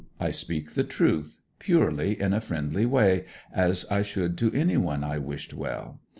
I speak the truth, purely in a friendly way, as I should to any one I wished well.